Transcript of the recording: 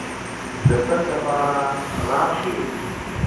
د تل د پاره راشې